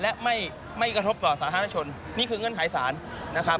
และไม่กระทบต่อสาธารณชนนี่คือเงื่อนไขสารนะครับ